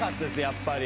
やっぱり。